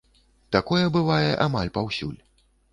Такое бывае амаль паўсюль.